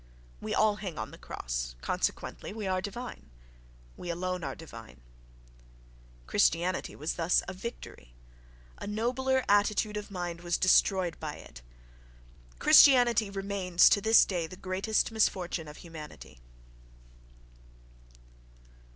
We all hang on the cross, consequently we are divine.... We alone are divine.... Christianity was thus a victory: a nobler attitude of mind was destroyed by it—Christianity remains to this day the greatest misfortune of humanity.